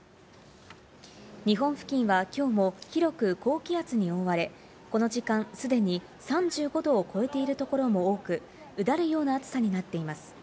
日本付近はきょうも広く高気圧に覆われ、この時間すでに３５度を超えているところも多く、うだるような暑さになっています。